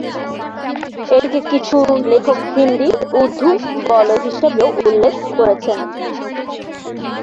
এটিকে কিছু লেখক হিন্দি-উর্দু বলয় হিসাবেও উল্লেখ করেছেন।